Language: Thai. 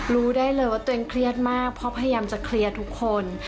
รู้ได้เลยว่าตัวเองเครียดมากเพราะพยายามจะเคลียร์ทุกคน